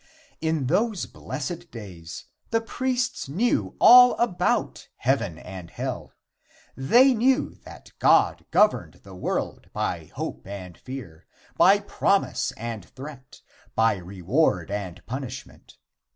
In those blessed days the priests knew all about heaven and hell. They knew that God governed the world by hope and fear, by promise and threat, by reward and punishment.